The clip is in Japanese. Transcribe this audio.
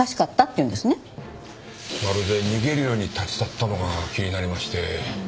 まるで逃げるように立ち去ったのが気になりまして。